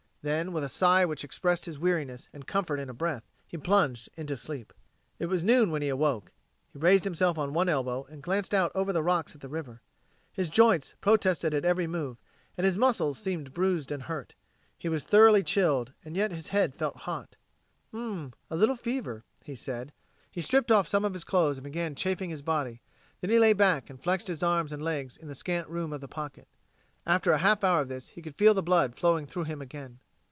Then, with a sigh which expressed his weariness and comfort in a breath, he plunged into sleep. It was noon when he awoke. He raised himself on one elbow and glanced out over the rocks at the river. His joints protested at every move, and his muscles seemed bruised and hurt. He was thoroughly chilled, and yet his head felt hot. "Hmmm, a little fever," he said. He stripped off some of his clothes and began chafing his body; then he lay back and flexed his arms and legs in the scant room of the pocket. After a half hour of this he could feel the blood flowing through him again.